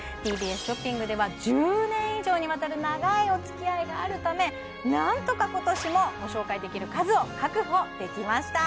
ＴＢＳショッピングでは１０年以上にわたる長いおつきあいがあるためなんとか今年もご紹介できる数を確保できました